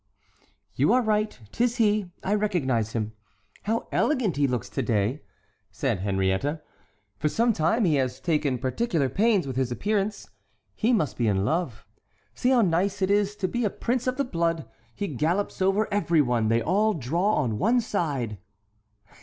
"You are right; 'tis he; I recognize him. How elegant he looks to day," said Henriette. "For some time he has taken particular pains with his appearance; he must be in love. See how nice it is to be a prince of the blood, he gallops over every one, they all draw on one side."